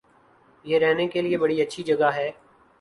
یہ رہنے کےلئے بڑی اچھی جگہ ہے